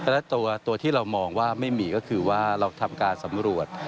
และตัวที่เรามองว่าไม่มีก็คือว่าเราทำการสำรวจ